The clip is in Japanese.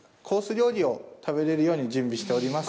料理を食べられるように準備しております。